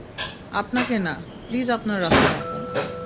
আপনাকে না, প্লিজ আপনার রাস্তা মাপুন।